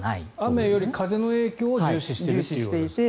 雨より風の影響を重視していると。